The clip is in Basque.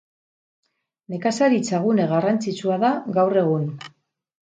Nekazaritza gune garrantzitsua da gaur egun.